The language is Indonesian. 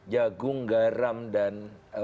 jagung garam dan